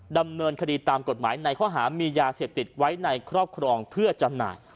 ดำเนินคดีตามกฎหมายในข้อหามียาเสพติดไว้ในครอบครองเพื่อจำหน่าย